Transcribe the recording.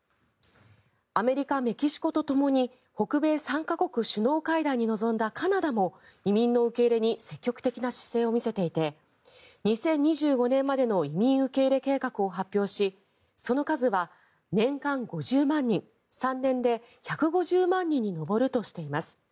アメリカ、メキシコとともに北米３か国首脳会談に臨んだカナダも移民の受け入れに積極的な姿勢を見せていて２０２５年までの移民受け入れ計画を発表しその数は年間５０万人３年で１５０万人に上るとしています。